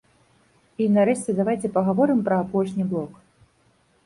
І нарэшце давайце пагаворым пра апошні блок.